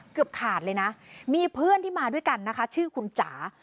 เกือบขาดเลยนะมีเพื่อนที่มาด้วยกันนะคะชื่อคุณจ๋า